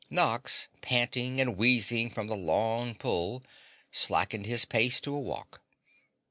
Nox, panting and wheezing from the long pull, slackened his pace to a walk.